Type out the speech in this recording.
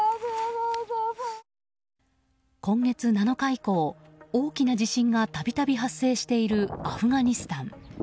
今月７日以降、大きな地震が度々発生しているアフガニスタン。